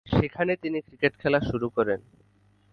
সেখানে তিনি ক্রিকেট খেলা শুরু করেন।